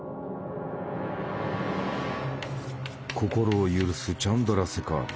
心を許すチャンドラセカール。